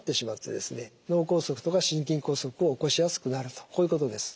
脳梗塞とか心筋梗塞を起こしやすくなるとこういうことです。